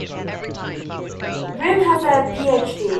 Rimm has a PhD.